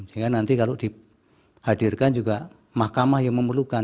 sehingga nanti kalau dihadirkan juga mahkamah yang memerlukan